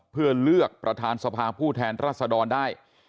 เพื่อเลือกประธานสภาผู้แทนรัศดรได้